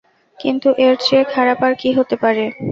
কিন্তু এর চেয়ে খারাপ আর কী হতে পারে?